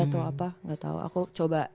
atau apa gak tau aku coba